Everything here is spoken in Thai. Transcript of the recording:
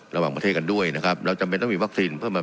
ระหว่างประเทศกันด้วยนะครับเราจำเป็นต้องมีวัคซีนเพื่อมา